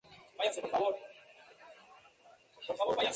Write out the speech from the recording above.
Open Cup del fútbol de los Estados Unidos.